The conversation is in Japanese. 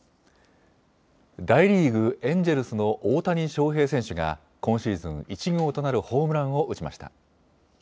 大リーグ、エンジェルスの大谷翔平選手が今シーズン１号となるホームランを打ちました。